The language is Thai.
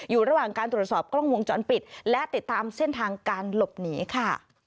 อยู่ระหว่างการตรวจสอบกล้องวงจรปิดและติดตามเส้นทางการหลบหนีค่ะ